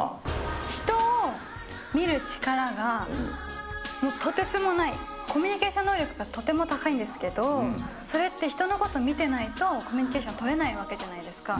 人を見る力がとてつもない、コミュニケーション能力がとても高いんですけど、それって、人のこと見てないと、コミュニケーション取れないわけじゃないですか。